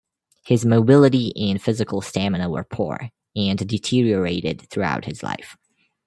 His mobility and physical stamina were poor and deteriorated throughout his life.